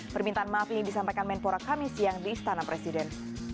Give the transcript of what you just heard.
permintaan maaf ini disampaikan menpora kami siang di istana presiden